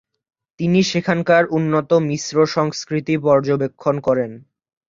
তিনি সেখানকার উন্নত মিশ্র সংস্কৃতি পর্যবেক্ষণ করেন।